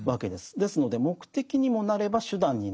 ですので目的にもなれば手段になる。